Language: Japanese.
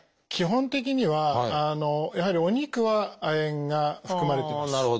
基本的にはやはりお肉は亜鉛が含まれています。